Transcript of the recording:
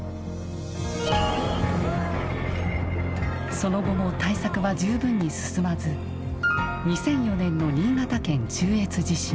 その後も対策は十分に進まず２００４年の新潟県中越地震